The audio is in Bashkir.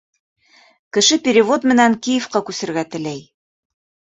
Кеше перевод менән Киевҡа күсергә теләй.